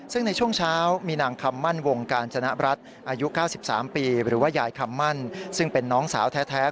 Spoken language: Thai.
ซึ่งในช่วงเช้ามีนางคำมั่นวงการจนรัฐอายุ๙๓ปีหรือว่ายายคำมั่นซึ่งเป็นน้องสาวแท้